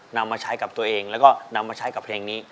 นำมาใช้กับตัวเองแล้วก็นำมาใช้กับเพลงนี้